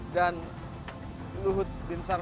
dan luhut dinsar